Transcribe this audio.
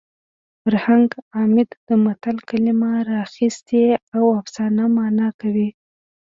فرهنګ عمید د متل کلمه راخیستې او افسانه مانا کوي